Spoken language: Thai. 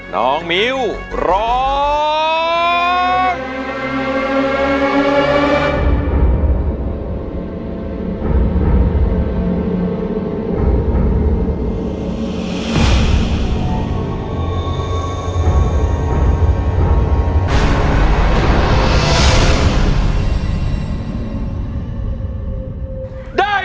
น้องมิ้วร้อง